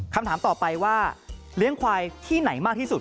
คำถามต่อไปว่าเลี้ยงควายที่ไหนมากที่สุด